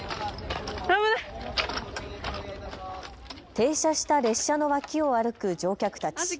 停車した列車の脇を歩く乗客たち。